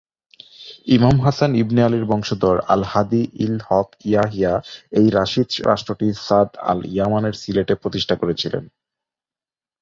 ইমাম হাসান ইবনে আলীর বংশধর আল-হাদী ইল-হক-ইয়াহইয়া এই রাশিদ রাষ্ট্রটি সা'দ, আল-ইয়ামানের সিলেটে প্রতিষ্ঠা করেছিলেন।